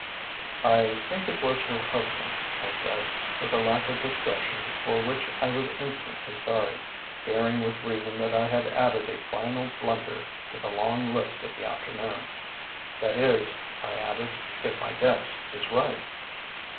"I think it was her husband," I said, with a lack of discretion for which I was instantly sorry, fearing with reason that I had added a final blunder to the long list of the afternoon. "That is," I added, "if my guess is right."